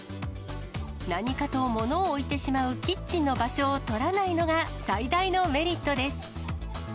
何かと物を置いてしまうキッチンの場所を取らないのが最大のメリットです。